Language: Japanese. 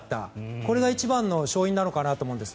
これが一番の勝因なのかなと思います。